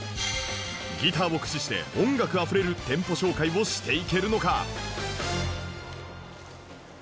ギターを駆使して音楽あふれる店舗紹介をしていけるのか？